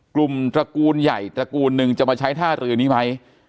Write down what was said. ตระกูลใหญ่ตระกูลหนึ่งจะมาใช้ท่าเรือนี้ไหม